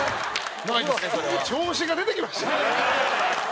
澤部：調子が出てきましたね。